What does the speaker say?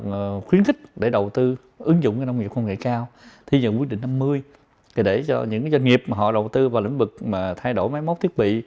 họ khuyến khích để đầu tư ứng dụng cái nông nghiệp công nghệ cao thì nhờ quyết định năm mươi để cho những doanh nghiệp mà họ đầu tư vào lĩnh vực mà thay đổi máy móc thiết bị